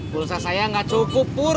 pulsa saya nggak cukup pur